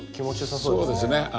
そうですね。